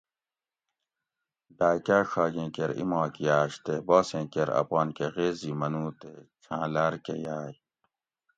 ڈاۤکاۤ ڛاگیں کیر ایماک یاۤش تے باسیں کیر اپانکہ غیزی منوتے چھاۤں لارۤ کہۤ یاۤئ